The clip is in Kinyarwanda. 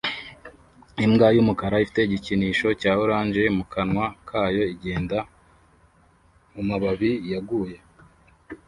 Imbwa yumukara ifite igikinisho cya orange mukanwa kayo igenda mumababi yaguye